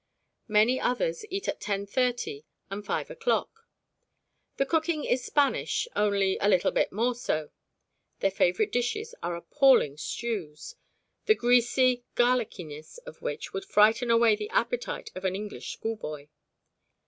Many others eat at 10.30 and 5 o'clock. The cooking is Spanish, only a little bit more so. Their favourite dishes are appalling stews, the greasy garlicyness of which would frighten away the appetite of an English schoolboy.